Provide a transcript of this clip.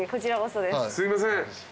すいません。